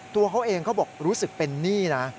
ตัวเขาเองเขาบอกรู้สึกเป็นหนี้นะ